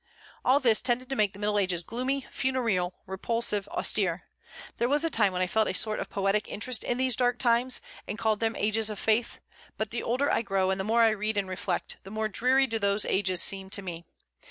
All this tended to make the Middle Ages gloomy, funereal, repulsive, austere. There was a time when I felt a sort of poetic interest in these dark times, and called them ages of faith; but the older I grow, and the more I read and reflect, the more dreary do those ages seem to me.